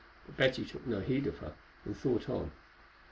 But Betty took no heed of her, and thought on.